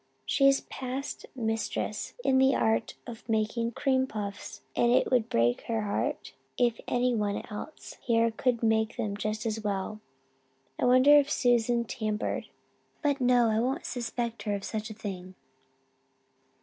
She is past mistress in the art of making cream puffs and it would break her heart if anyone else here could make them as well. I wonder if Susan tampered but no, I won't suspect her of such a thing.